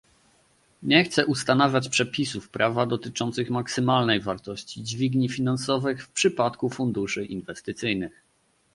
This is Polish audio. nie chce ustanawiać przepisów prawa dotyczących maksymalnej wartości dźwigni finansowych w przypadku funduszy inwestycyjnych